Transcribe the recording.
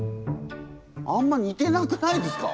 あんまにてなくないですか？